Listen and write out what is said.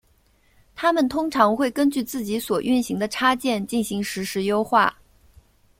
它们通常会根据自己所运行的插件进行实时优化。